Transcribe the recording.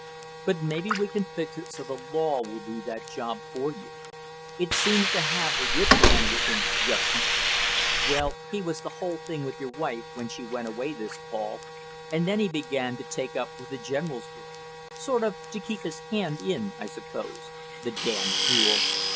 But maybe we can fix it so the law will do that job for you. It seems to have the whip hand with him just now. Well, he was the whole thing with your wife when she went away this fall and then he began to take up with the general's girl sort of to keep his hand in, I suppose the damn fool!